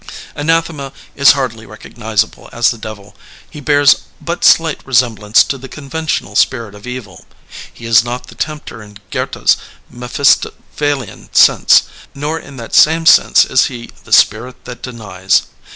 '' Anathema is hardly recognizable as the devil. He bears but slight resemblance to the conventional Spirit of Evil. He is not the tempter in Goethe's Mephistophelian sense, nor in that same sense is he the ''Spirit that denies."